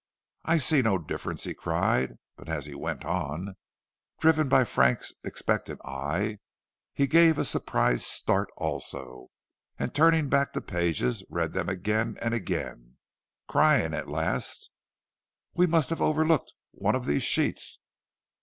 "I see no difference," he cried; but as he went on, driven by Frank's expectant eye, he gave a surprised start also, and turning back the pages, read them again and again, crying at last: "We must have overlooked one of these sheets.